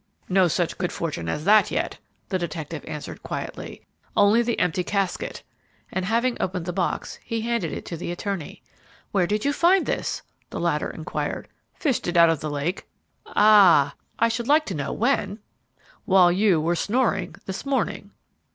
"No such good fortune as that yet," the detective answered quietly, "only the empty casket;" and having opened the box, he handed it to the attorney. "Where did you find this?" the latter inquired. "Fished it out of the lake." "Ah h! I should like to know when." "While you were snoring this morning."